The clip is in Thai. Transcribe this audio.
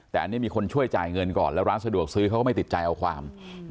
แต่อันนี้มีคนช่วยจ่ายเงินก่อนแล้วร้านสะดวกซื้อเขาก็ไม่ติดใจเอาความ